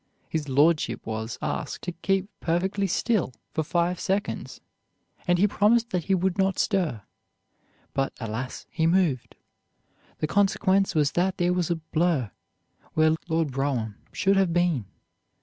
His Lordship was, asked to keep perfectly still for five seconds, and he promised that he would not stir, but alas, he moved. The consequence was that there was a blur where Lord Brougham should have been.